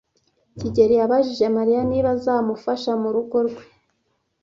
kigeli yabajije Mariya niba azamufasha mu rugo rwe.